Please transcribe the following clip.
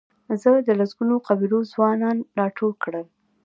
ده د لسګونو قبیلو ځوانان راټول کړل.